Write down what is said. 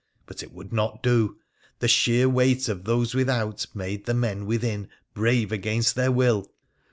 But it would not do. The sheer weight of those without made the men within brave against their will.